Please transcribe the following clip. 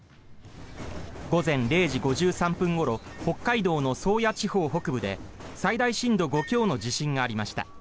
午前０時５３分ごろ北海道の宗谷地方北部で最大震度５強の地震がありました。